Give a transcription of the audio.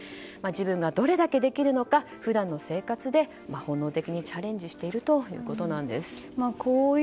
自分がどれだけできるのか普段の生活で本能的にチャレンジしているということなんです。